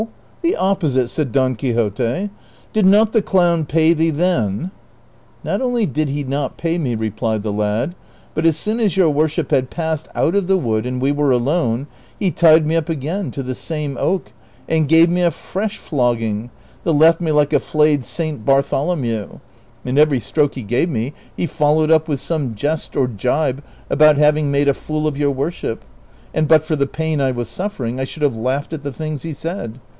the opposite ?" said Don Quixote ;" did not the clown pay thee then ?"'' Xot only did he not pay me," replied the lad, " but as soon as your worship had passed ox;t of the wood and we were alone, he tied me up again to the same oak and gave me a fresh flog ging, that left me like a flayed Saint Bartholomew ; and every stroke he gave me he followed up Avith some jest or gibe about having made a fool of your worship, and but for the pain I was suffering I should have laughed at the things he said.